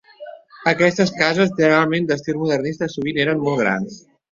Aquestes cases, generalment d'estil modernista, sovint eren molt grans.